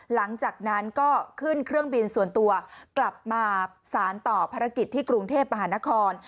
หลังจากนั้นก็ขึ้นเครื่องบินส่วนตัวกลับมาสารต่อภารกิจที่กรุงเทพมหานคร